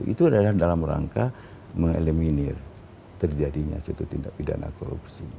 itu adalah dalam rangka mengeliminir terjadinya suatu tindak pidana korupsi